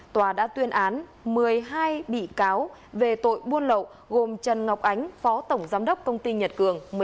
tòa đã tuyên án một mươi hai bị cáo về tội buôn lậu gồm trần ngọc ánh phó tổng giám đốc công ty nhật cường